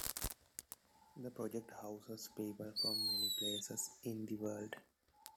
The project houses people from many places in the world.